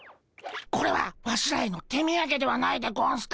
これはワシらへの手みやげではないでゴンスか？